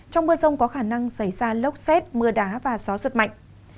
trong mưa rông có khả năng xảy ra lốc xét mưa đá và gió giật mạnh